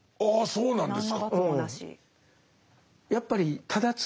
そうなんです。